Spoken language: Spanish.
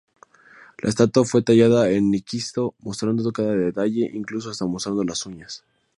La estatua fue tallada en esquisto, mostrando cada detalle, incluso hasta mostrando las uñas.